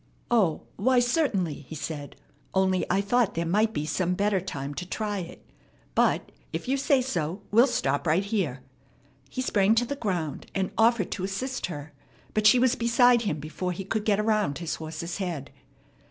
"O, why, certainly," he said, "only I thought there might be some better time to try it; but, if you say so, we'll stop right here." He sprang to the ground, and offered to assist her; but she was beside him before he could get around his horse's head.